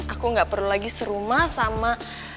aku gak perlu lagi serumah sama